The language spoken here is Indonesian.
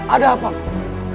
ada apa guru